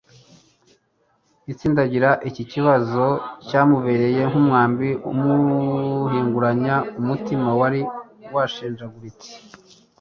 atsindagira iki kibazo cyamubereye nk'umwambi umuhinguranya umutima wari washenjaguritse.